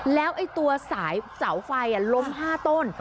แล้วไอ้ตัวสายเสาไฟล้ม๕ต้น